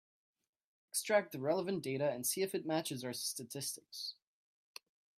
Extract the relevant data and see if it matches our statistics.